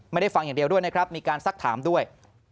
ไม่ได้ฟังอย่างเดียวด้วยนะครับมีการซักถามด้วย